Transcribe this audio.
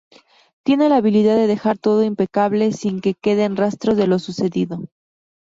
Tiene la habilidad de dejar todo impecable, sin que queden rastros de lo sucedido.